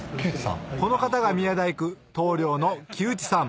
この方が宮大工棟梁の木内さん